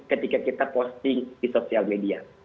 ketika kita posting di sosial media